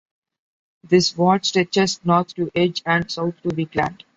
This ward stretches north to Edge and south to Wigland.